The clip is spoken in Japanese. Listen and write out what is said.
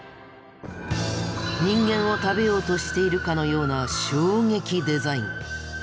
人間を食べようとしているかのような衝撃デザイン。